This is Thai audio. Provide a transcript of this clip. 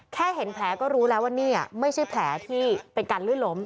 เห็นแผลก็รู้แล้วว่านี่ไม่ใช่แผลที่เป็นการลื่นล้ม